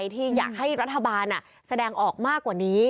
ที่อยากให้รัฐบาลแสดงออกมากว่านี้